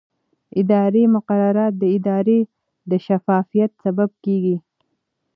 اداري مقررات د ادارې د شفافیت سبب کېږي.